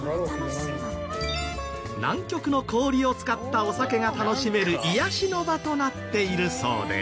南極の氷を使ったお酒が楽しめる癒やしの場となっているそうです。